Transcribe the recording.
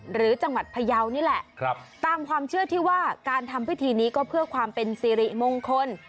หรือจังหวัดพยาวนี่แหละตามความเชื่อที่ว่าการทำพิธีนี้ก็เพื่อความเป็นสิริมงคล